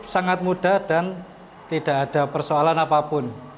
sangat mudah dan tidak ada persoalan apapun